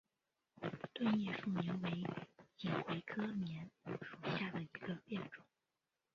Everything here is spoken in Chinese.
钝叶树棉为锦葵科棉属下的一个变种。